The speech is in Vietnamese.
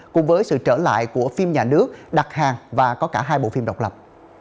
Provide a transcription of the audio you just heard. cùng với sự trở lại của phim nhà nước đặt hàng và có cả hai bộ phim độc lập